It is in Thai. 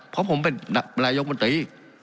เพราะผมเป็นนายกมนตรี